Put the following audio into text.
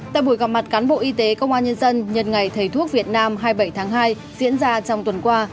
tại buổi gặp mặt cán bộ y tế công an nhân dân nhân ngày thầy thuốc việt nam hai mươi bảy tháng hai diễn ra trong tuần qua